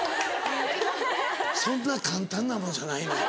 そんな簡単なものじゃないのよ。